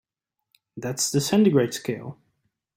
That's the centigrade scale.